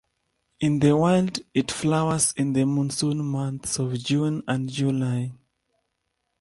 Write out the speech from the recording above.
In the wild it flowers in the monsoon months of June and July.